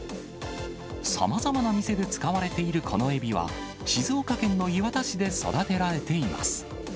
さまざまな店で使われているこのエビは、静岡県の磐田市で育てられています。